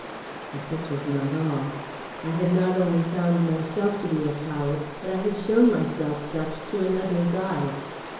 But this was not all. I had not only found myself to be a coward, but I had shown myself such to another's eyes.